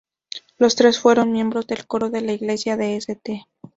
Los tres fueron miembros del coro de la Iglesia de St.